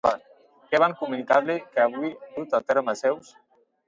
Què van comunicar-li que havia dut a terme Zeus?